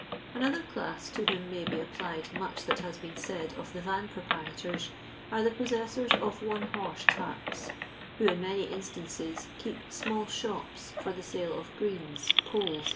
Another class, to whom may be applied much that has been said of the van proprietors, are the possessors of one horse carts, who in many instances keep small shops for the sale of greens, coals, &c.